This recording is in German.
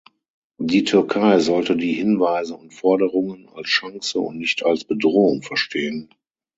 Die Türkei sollte die Hinweise und Forderungen als Chance und nicht als Bedrohung verstehen.